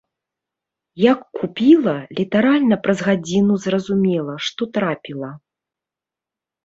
Як купіла, літаральна праз гадзіну зразумела, што трапіла.